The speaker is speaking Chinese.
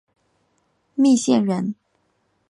密县人。